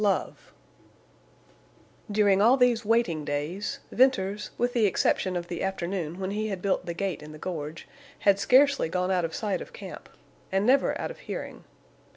LOVE During all these waiting days Venters, with the exception of the afternoon when he had built the gate in the gorge, had scarcely gone out of sight of camp and never out of hearing.